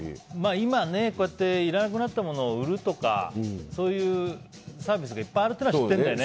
今、いらなくなったものを売るとかそういうサービスがいっぱいあるというのは知ってるんだよね。